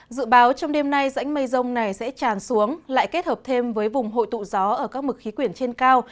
dự báo trong đêm nay rãnh mây rông này sẽ tràn xuống lại kết hợp thêm với vùng hội tụ gió ở các mực khí quyển trên cao